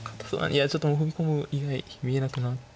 いやちょっと潜り込む以外見えなくなって。